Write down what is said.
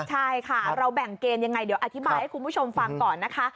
ใช่ค่ะเราแบ่งเกณฑ์ยังไงเดี๋ยวอธิบายให้คุณผู้ชมฟังก่อนนะคะ